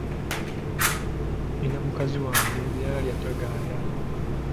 Nina mukazi wange bw’alya tagaaya.